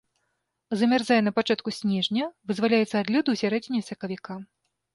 Замярзае на пачатку снежня, вызваляецца ад лёду ў сярэдзіне сакавіка.